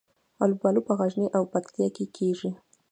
الوبالو په غزني او پکتیکا کې کیږي